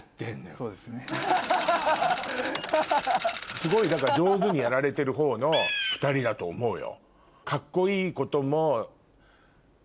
すごい上手にやられてるほうの２人だと思うよ。